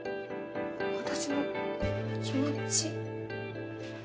私の気持ち？